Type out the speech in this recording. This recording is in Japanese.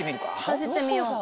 かじってみよう。